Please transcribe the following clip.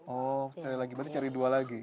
oh cari lagi berarti cari dua lagi